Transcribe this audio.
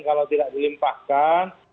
kalau tidak dilimpahkan